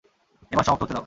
এ মাস সমাপ্ত হতে দাও।